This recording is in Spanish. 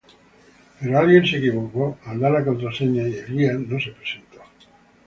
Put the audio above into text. Pero alguien se equivocó al dar la contraseña y el guía no se presentó.